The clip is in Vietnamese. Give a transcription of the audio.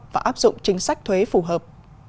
và áp dụng chính sách thuế phù hợp